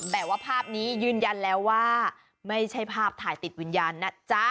แต่ว่าภาพนี้ยืนยันแล้วว่าไม่ใช่ภาพถ่ายติดวิญญาณนะจ๊ะ